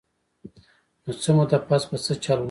نو څۀ موده پس به څۀ چل اوشي -